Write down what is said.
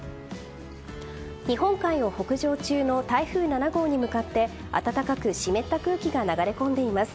日本海を北上中の台風７号に向かって暖かく湿った空気が流れ込んでいます。